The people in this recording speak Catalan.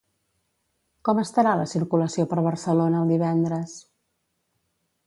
Com estarà la circulació per Barcelona el divendres?